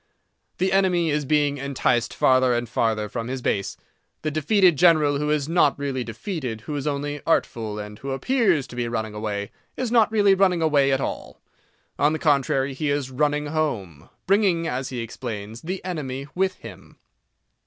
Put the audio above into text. The enemy is being enticed farther and farther from his base. The defeated general—who is not really defeated, who is only artful, and who appears to be running away, is not really running away at all. On the contrary, he is running home—bringing, as he explains, the enemy with him.